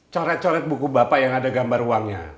coret coret buku bapak yang ada gambar uangnya